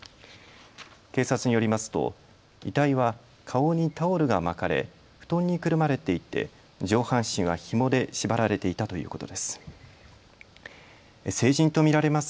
警察によりますと遺体は顔にタオルが巻かれ布団にくるまれていて上半身はひもで縛られていたということです。